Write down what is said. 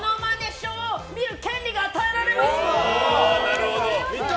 ショーを見る権利が与えられますわ！